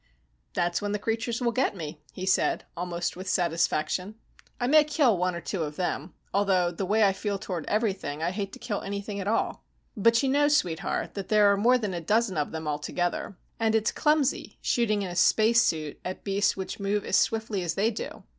"That's when the creatures will get me," he said, almost with satisfaction. "I may kill one or two of them, although the way I feel toward everything, I hate to kill anything at all. But you know, sweetheart, that there are more than a dozen of them altogether, and it's clumsy shooting in a spacesuit at beasts which move as swiftly as they do."